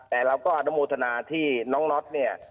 แล้วก็อนบุธีที่น้องน็อตนี่